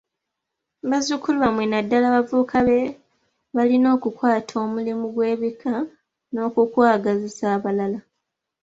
Bazzukulu bammwe naddala abavubuka be balina okukwata omumuli gw'ebika n'okugwagazisa abalala.